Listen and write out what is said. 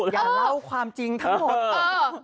อย่าเล่าความจริงทั้งหมด